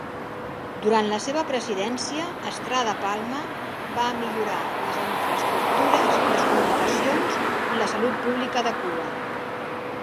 Durant la seva presidència, Estrada Palma va millorar les infraestructures, les comunicacions i la salut pública de Cuba.